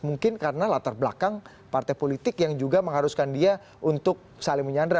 mungkin karena latar belakang partai politik yang juga mengharuskan dia untuk saling menyandra